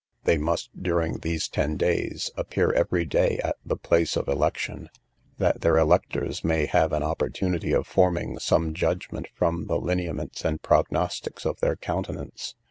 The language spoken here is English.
They must, during these ten days, appear every day at the place of election, that their electors may have an opportunity of forming some judgment from the lineaments and prognostics of their countenance.